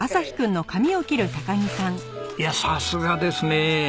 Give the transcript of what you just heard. いやさすがですね。